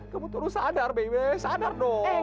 kamu harus sadar bebe sadar dong